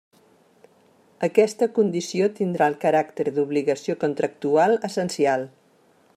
Aquesta condició tindrà el caràcter d'obligació contractual essencial.